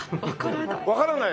わからない。